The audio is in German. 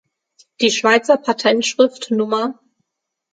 Die Schweizer Patentschrift Nr.